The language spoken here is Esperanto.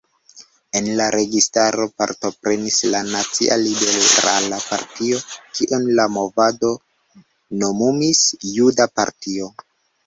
En la registaro partoprenis la Nacia Liberala Partio, kiun la movado nomumis „Juda partio“.